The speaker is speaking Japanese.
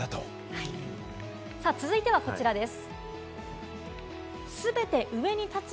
続いてはこちらです。